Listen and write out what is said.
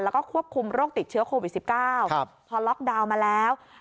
แล้วก็ควบคุมโรคติดเชื้อโควิด๑๙พอล็อกดาวน์มาแล้ว